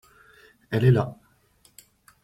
Elle est là.